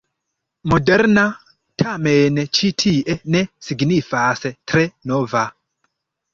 ”Moderna” tamen ĉi tie ne signifas tre nova.